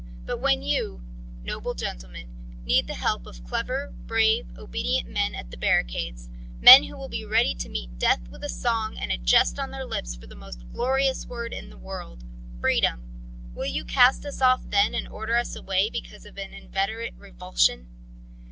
But when you, noble gentlemen, need the help of clever, brave, obedient men at the barricades, men who will be ready to meet death with a song and a jest on their lips for the most glorious word in the world Freedom will you cast us off then and order us away because of an inveterate revulsion?